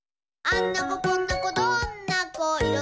「あんな子こんな子どんな子いろ